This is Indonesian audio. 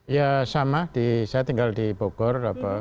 ya sama saya tinggal di bogor